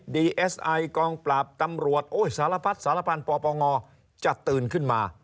ดีเอสไอกองปราบตำรวจสารพัดสารพันธ์ปปงจะตื่นขึ้นมา